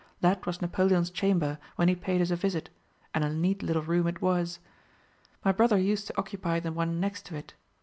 That was Napoleon's chamber when he paid us a visit, and a neat little room it was. My brother used to occupy the one next to it.